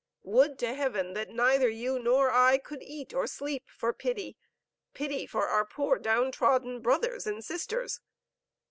Would to Heaven that neither you nor I could eat or sleep for pity, pity for our poor down trodden brothers and sisters.